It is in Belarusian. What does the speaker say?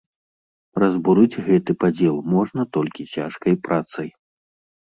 Разбурыць гэты падзел можна толькі цяжкай працай.